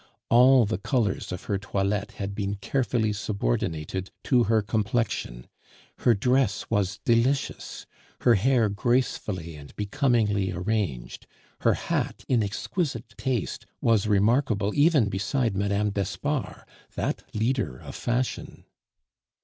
All the colors of her toilette had been carefully subordinated to her complexion; her dress was delicious, her hair gracefully and becomingly arranged, her hat, in exquisite taste, was remarkable even beside Mme. d'Espard, that leader of fashion.